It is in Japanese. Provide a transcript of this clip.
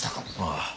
ああ。